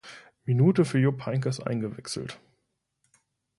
Minute für Jupp Heynckes eingewechselt.